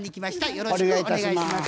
よろしくお願いします。